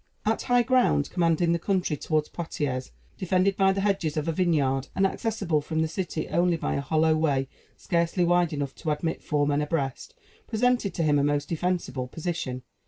A high ground, commanding the country toward Poitiers, defended by the hedges of a vineyard, and accessible from the city only by a hollow way scarcely wide enough to admit four men abreast, presented to him a most defensible position.